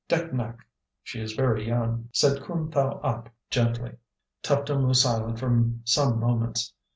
"Dèck nak" (she is very young), said Khoon Thow App, gently. Tuptim was silent for some moments.